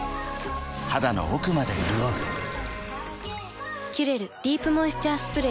肌の奥まで潤う「キュレルディープモイスチャースプレー」